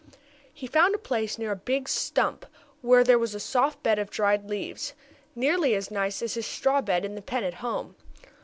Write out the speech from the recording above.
He found a place, near a big stump, where there was a soft bed of dried leaves, nearly as nice as his straw bed in the pen at home.